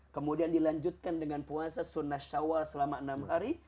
kemudian dilanjutkan dengan puasa sunnah syawal selama enam hari